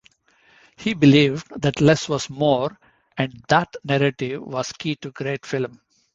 He believed that less was more, and that narrative was key to great film.